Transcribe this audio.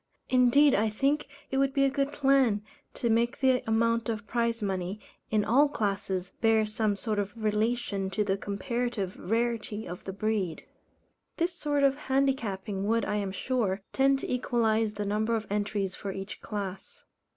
Indeed I think it would be a good plan, to make the amount of prize money, in all classes, bear some sort of relation to the comparative rarity of the breed. This sort of handicapping would, I am sure, tend to equalize the number of entries for each class.